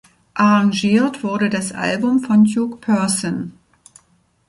Arrangiert wurde das Album von Duke Pearson.